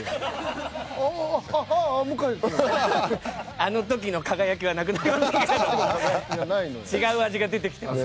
あの時の輝きはなくなりましたけれども違う味が出てきてます。